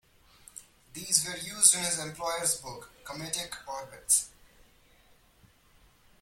These were used in his employer's book "Cometic Orbits".